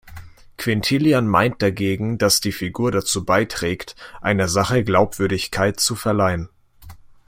Quintilian meint dagegen, dass die Figur dazu beiträgt, einer Sache Glaubwürdigkeit zu verleihen.